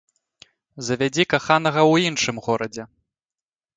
Завядзі каханага ў іншым горадзе!